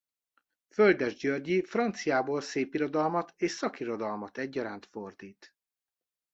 Földes Györgyi franciából szépirodalmat és szakirodalmat egyaránt fordít.